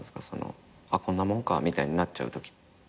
その「こんなもんか」みたいになっちゃうとき。